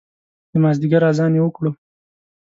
د مازدیګر اذان یې وکړو